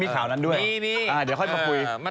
มีข่าวนั้นด้วยนะ